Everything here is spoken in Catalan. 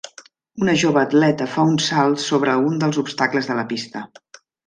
Una jove atleta fa un salt sobre un dels obstacles de la pista.